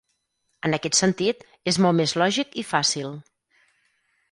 En aquest sentit, és molt més lògic i fàcil.